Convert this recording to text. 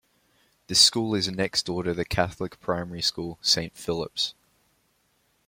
This school is next door to the Catholic primary school, Saint Phillip's.